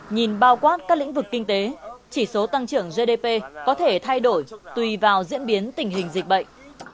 nhìn bao quát các lĩnh vực kinh tế chỉ số tăng trưởng gdp có thể thay đổi tùy vào diễn biến tình hình dịch bệnh